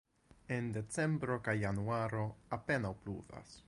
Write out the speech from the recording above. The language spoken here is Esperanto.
En decembro kaj januaro apenaŭ pluvas.